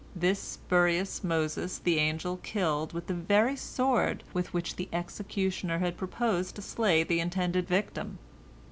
This spurious Moses the angel killed with the very sword with which the executioner had purposed to slay the intended victim.